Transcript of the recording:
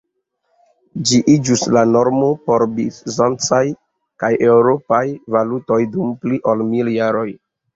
Ĝi iĝus la normo por bizancaj kaj eŭropaj valutoj dum pli ol mil jaroj.